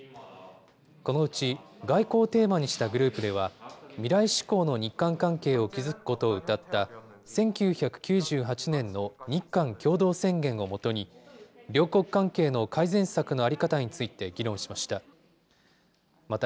このうち外交をテーマにしたグループでは、未来志向の日韓関係を築くことをうたった、１９９８年の日韓共同宣言を基に、両国関係の改善策の在り方について議論しました。